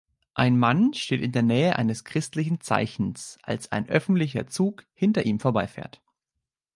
Ein Mann steht in der Nähe eines christlichen Zeichens, als ein öffentlicher Zug hinter ihm vorbeifährt.